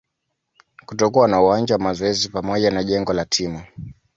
kutokuwa na uwanja wa mazoezi pamoja na jengo la timu